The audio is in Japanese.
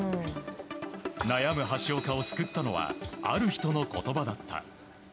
はやる橋岡を救ったのはある人の言葉だった。